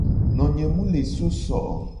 Nonye mu le so so o.